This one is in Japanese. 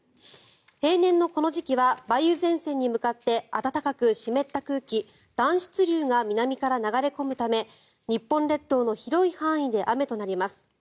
平年のこの時期は梅雨前線に向かって暖かく湿った空気暖湿流が南から流れ込むため日本列島の広い範囲で雨となります。